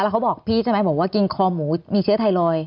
เขาบอกพี่ใช่ไหมบอกว่ากินคอหมูมีเชื้อไทรอยด